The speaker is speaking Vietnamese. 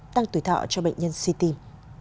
tăng tuổi thọ cho bệnh nhân suy tim